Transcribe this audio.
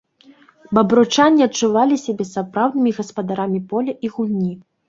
Бабруйчане адчувалі сябе сапраўднымі гаспадарамі поля і гульні.